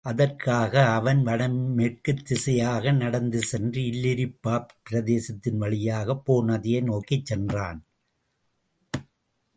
அதற்காக அவன் வடமேற்குத் திசையாக நடந்து சென்று இல்லிரிபாப் பிரதேசத்தின் வழியாகப் போ நதியை நோக்கிச் சென்றான்.